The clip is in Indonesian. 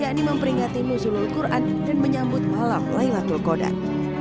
yakni memperingati musulul quran dan menyambut malam laylatul qodan